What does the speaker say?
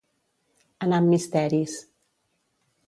Anar amb misteris.